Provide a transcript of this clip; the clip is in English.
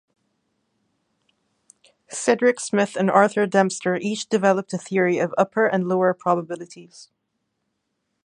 Cedric Smith and Arthur Dempster each developed a theory of upper and lower probabilities.